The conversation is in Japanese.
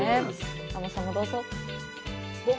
亞門さんもどうぞ。